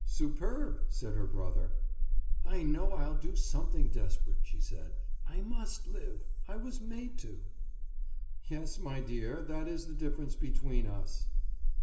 "Superb!" said her brother. "I know I'll do something desperate," she said. "I must live; I was made to." "Yes, my dear, that is the difference between us."